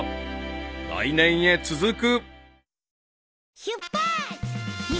［来年へ続く］